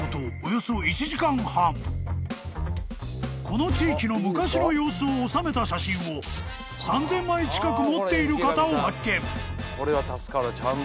［この地域の昔の様子を収めた写真を３，０００枚近く持っている方を発見］